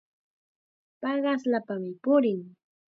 Paqasllapam purin.